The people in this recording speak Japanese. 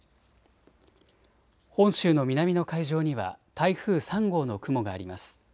本州の南の海上には台風３号の雲があります。